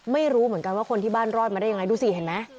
ไม่รู้เหมือนกันว่าคนที่บ้านรอดมาได้ยังไงดูสิเห็นไหม